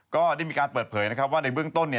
ก็ได้มีการเปิดเผยนะครับว่าในเบื้องต้น